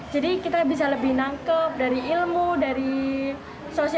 jadi kita bisa lebih nangkep dari ilmu dari sosial